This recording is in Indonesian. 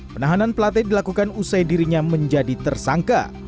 penahanan plate dilakukan usai dirinya menjadi tersangka